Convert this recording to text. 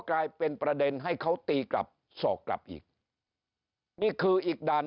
กลายเป็นประเด็นให้เขาตีกลับสอกกลับอีกนี่คืออีกด่าน